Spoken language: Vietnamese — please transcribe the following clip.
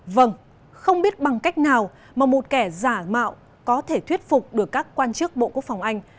vâng không biết bằng cách nào mà một kẻ giả mạo có thể thuyết phục được các quan chức bộ quốc phòng anh